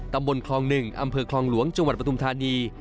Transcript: ตำบลคลอง๑อำเภอคลองหลวงจังหวัดปทุมธานี